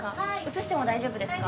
映しても大丈夫ですか？